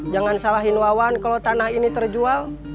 jangan salahin wawan kalau tanah ini terjual